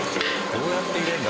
どうやって入れるんだ？